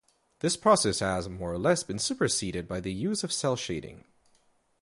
This process has more or less been superseded by the use of cel-shading.